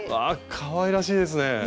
かわいらしいですね。